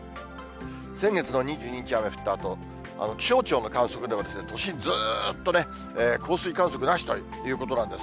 先月の２２日、雨降ったあと、気象庁の観測では都心、ずっと降水観測なしということなんです。